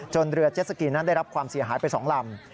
เรือเจสสกีนั้นได้รับความเสียหายไป๒ลำ